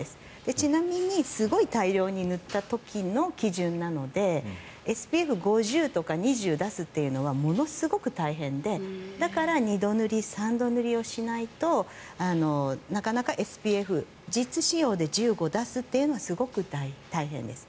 ちなみにすごい大量に塗った時の基準なのでＳＰＦ５０とか２０を出すというのはものすごく大変で、だから２度塗り、３度塗りをしないとなかなかＳＰＦ実使用で１０を出すというのはすごく大変です。